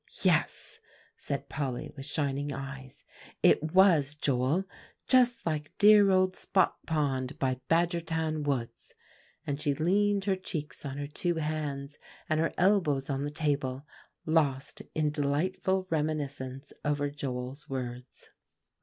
"Yes," said Polly with shining eyes, "it was, Joel, just like dear old Spot Pond by Badgertown woods;" and she leaned her cheeks on her two hands and her elbows on the table, lost in delightful reminiscence over Joel's words.